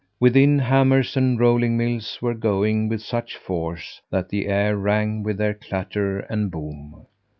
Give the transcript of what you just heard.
Within hammers and rolling mills were going with such force that the air rang with their clatter and boom.